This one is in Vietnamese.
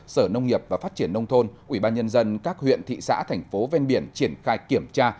sở nông nghiệp và phát triển nông thôn ubnd các huyện thị xã thành phố ven biển triển khai kiểm tra